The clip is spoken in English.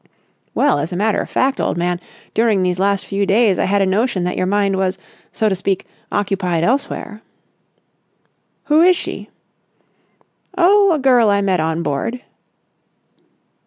"Well, as a matter of fact, old man, during these last few days I had a notion that your mind was, so to speak, occupied elsewhere." "Who is she?" "Oh, a girl I met on board."